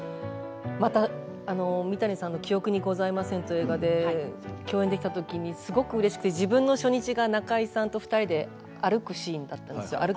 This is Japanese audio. また三谷さんの「記憶にございません！」という映画で共演できたときにすごくうれしくて自分の初日が中井さんと２人で歩くシーンだったんですね。